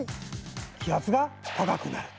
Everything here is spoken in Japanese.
気圧が高くなる。